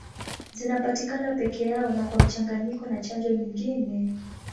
Zinapatikana peke yao na kwa mchanganyiko na chanjo nyingine.